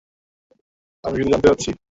আমি শুধু জানতে চাইছি।